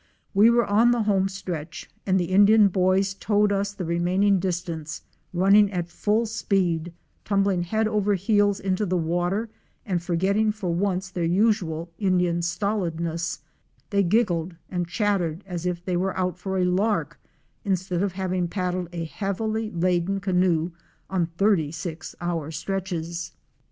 We were on the home stretch and the Indian boys towed us the remaining distance, running at full speed, tumbling head over heels into the water; and forgetting for once their usual Indian stolidness, they giggled and chat tered as if they were out for a lark, instead of having paddled a heavily laden canoe on thirty six hour stretches! THROUGH THE COASTAL WILDERNESS.